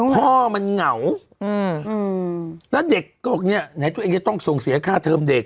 พ่อมันเหงาแล้วเด็กก็บอกเนี่ยไหนตัวเองจะต้องส่งเสียค่าเทอมเด็ก